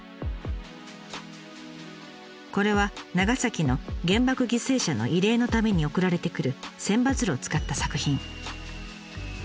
これは長崎の原爆犠牲者の慰霊のために送られてくる千羽鶴を使った作品。